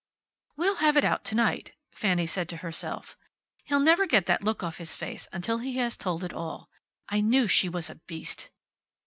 "We'll have it out to night," Fanny said to herself. "He'll never get that look off his face until he has told it all. I knew she was a beast."